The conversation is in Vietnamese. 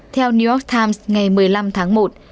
theo new york times ngày một mươi năm tháng một